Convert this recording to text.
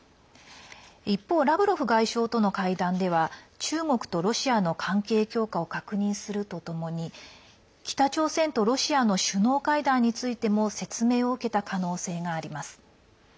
一方、ラブロフ外相との会談では中国とロシアの関係強化を確認するとともに北朝鮮とロシアの首脳会談についても説明を受けた可能性があります。